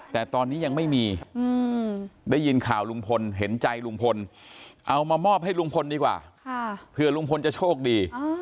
แต่ตอนนี้ยังไม่มีได้ยินข่าวลุงพลเห็นใจลุงพลเอามามอบให้ลุงพลดีกว่าเผื่อลุงพลจะโชคดี